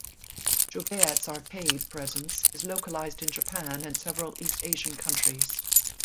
Jubeat's arcade presence is localized in Japan and several East Asian countries.